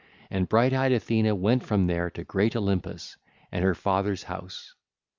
And bright eyed Athene went thence to great Olympus and her father's house. (ll.